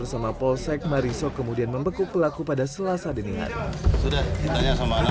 sama polsek mariso kemudian membeku pelaku pada selasa dengar sudah ditanya sama anak